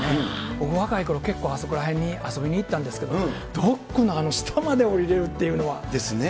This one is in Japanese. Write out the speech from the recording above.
僕若いころ、結構あそこら辺に遊びに行ったんですけど、ドックのあの下まで下ですね。